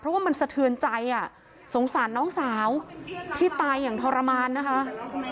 เพราะว่ามันสะเทือนใจอ่ะสงสารน้องสาวที่ตายอย่างทรมานนะคะ